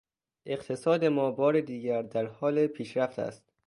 اقتصاد ما بار دیگر در حال پیشرفت است.